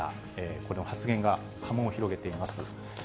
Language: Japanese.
この発言が波紋を広げています。